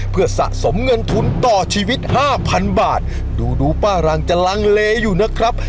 เพื่อสะสมเงินทุนต่อชีวิตห้าพันบาทดูดูป้ารังจะลังเลอยู่นะครับ